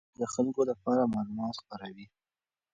څېړونکي د خلکو لپاره معلومات خپروي.